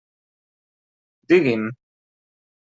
Digui'm.